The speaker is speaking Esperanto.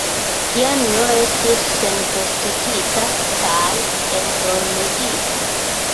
Janjo estis senvestigita kaj endormigita.